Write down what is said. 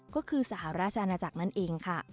ก็คือสหราชอาณาจักรนั่นเองค่ะ